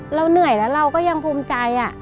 เราเหนื่อยแล้วเราก็ยังภูมิใจ